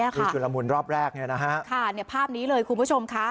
มีความชุลมูลรอบแรกภาพนี้เลยคุณผู้ชมคะ